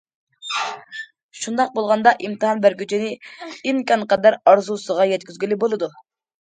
شۇنداق بولغاندا، ئىمتىھان بەرگۈچىنى ئىمكانقەدەر ئارزۇسىغا يەتكۈزگىلى بولىدۇ.